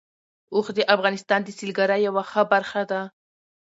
اوښ د افغانستان د سیلګرۍ یوه ښه برخه ده.